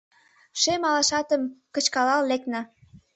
Шем алашатым кычкалал лекна.